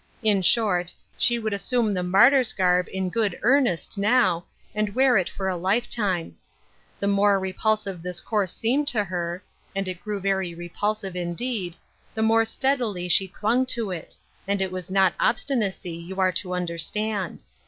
In short, she would assume the martyr's garb in good earnest now, and wear it for a lifetime. The more rfpuisive this course seemed to her — and 260 Ruth Erski7ie^s Crosses, it grew very repulsive iudeed — the more stead ily she clung to it ; and it was not obstinacy, you are t: understand.